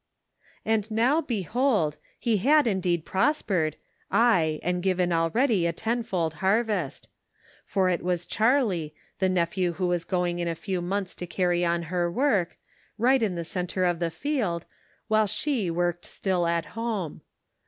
And now behold, he had indeed prospered, aye and given already a tenfold harvest ; for it was Charlie, the nephew who was going in a few months to carry on her work, right in the centre of the field, while she worked still at home.